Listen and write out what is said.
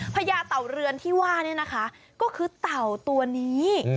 ญาเต่าเรือนที่ว่าเนี่ยนะคะก็คือเต่าตัวนี้